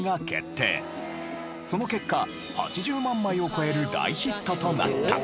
その結果８０万枚を超える大ヒットになった。